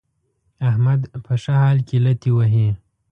احمد په ښه حال کې لتې وهي.